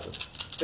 え？